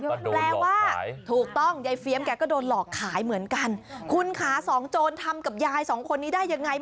แปลว่าถูกต้องยายเฟี๊ยมแกก็โดนหลอกขายเหมือนกัน